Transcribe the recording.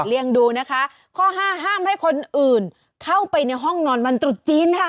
ดูนะคะข้อห้าห้ามให้คนอื่นเข้าไปในห้องนอนวันตรุษจีนค่ะ